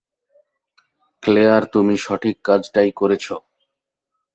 Claire, তুমি সঠিক কাজটাই করছো।